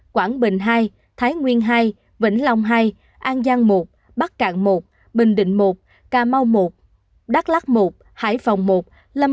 quảng nam ba trăm bốn mươi sáu